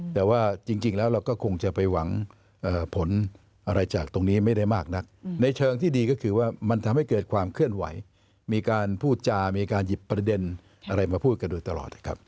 แต่ว่าจริงแล้วเราก็คงจะไปหวังผลอะไรจากตรงนี้ไม่ได้มากนักในเชิงที่ดีก็คือว่ามันทำให้เกิดความเคลื่อนไหวมีการพูดจามีการหยิบประเด็นอะไรมาพูดกันโดยตลอดครับ